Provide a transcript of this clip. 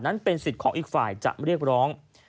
นั้นเป็นสิทธิ์ของอีกฝ่ายจะเรียกร้อง